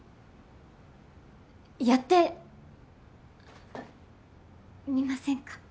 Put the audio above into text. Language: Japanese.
やってみませんか？